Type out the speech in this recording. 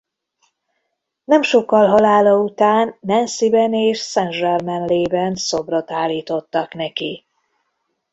Nem sokkal halála után Nancyben és Saint-Germain-en-Laye-ban szobrot állítottak neki.